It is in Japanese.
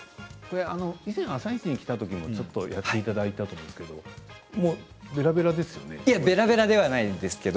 以前「あさイチ」に来たときにもちょっとやっていただいたと思うんですけれどもう、べらべらですよね。